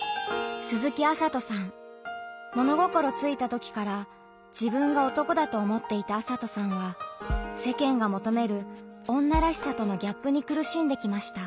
物心ついたときから自分が男だと思っていた麻斗さんは世間が求める「女らしさ」とのギャップに苦しんできました。